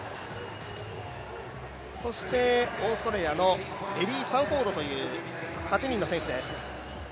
そして、オーストラリアのエリー・サンフォードという８人の選手です。